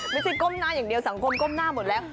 ไม่สิก้มหน้าอย่างเดียวสังคมเงยหน้ามันหมดแล้ว